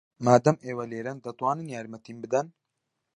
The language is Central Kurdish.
مادام ئێوە لێرەن، دەتوانن یارمەتیم بدەن.